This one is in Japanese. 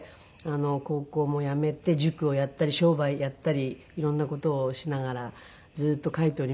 高校も辞めて塾をやったり商売やったり色んな事をしながらずっと書いておりましたけども。